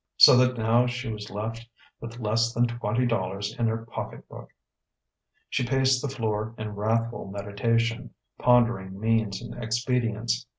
So that now she was left with less than twenty dollars in her pocket book. She paced the floor in wrathful meditation, pondering means and expedients.